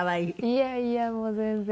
いやいやもう全然。